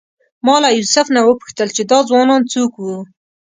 ما له یوسف نه وپوښتل چې دا ځوانان څوک وو.